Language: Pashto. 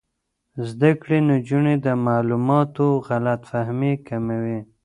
زده کړې نجونې د معلوماتو غلط فهمۍ کموي.